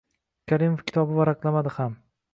Karimov kitobi varaqlanmadi ham.